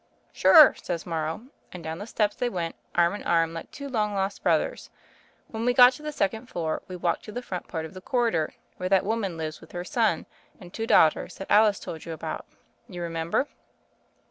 'Sure,' says Morrow, and down the steps they went arm in arm like two long lost brothers. When we got to the second floor we walked to the front part of the corridor, where that woman lives with her son and two daughters that Alice told you about. You remember?"